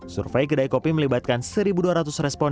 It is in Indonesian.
survei kedai kopi melibatkan satu dua ratus responden